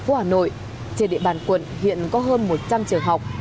tp hà nội trên địa bàn quận hiện có hơn một trăm linh trường học